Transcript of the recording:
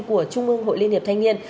của trung ương hội liên hiệp thanh niên